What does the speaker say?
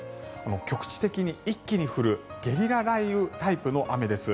局地的に一気に降るゲリラ雷雨タイプの雨です。